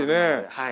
はい。